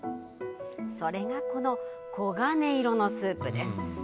それがこの、黄金色のスープです。